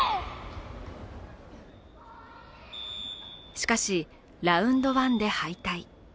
しかし、ラウンド１で敗退。